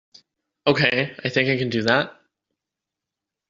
Okay, I think I can do that.